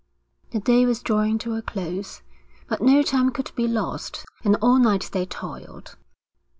The day was drawing to a close, but no time could be lost; and all night they toiled.